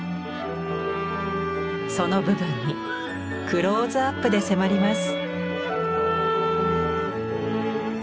その部分にクローズアップで迫ります。